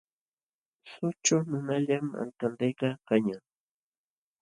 Sućhu nunallam Alcaldekaq kañaq.